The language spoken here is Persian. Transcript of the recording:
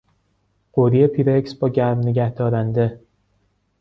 قوری پیرکس با گرم نگه دارنده